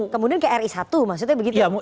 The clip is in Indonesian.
kemudian ke ri satu maksudnya begitu ya